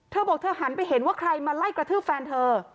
เธอบอกเธอหันไปเห็นว่าใครมาไล่กระทืบแฟนเธอ